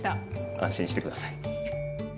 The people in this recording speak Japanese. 安心して下さい。